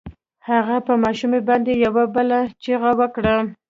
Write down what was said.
هغه په ماشومې باندې يوه بله چيغه وکړه.